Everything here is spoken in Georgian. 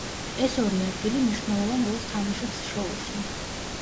ეს ორი ადგილი მნიშვნელოვან როლს თამაშობს შოუში.